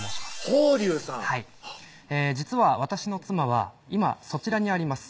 峰龍さんはい実は私の妻は今そちらにあります